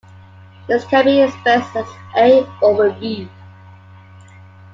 This can be expressed as A over B.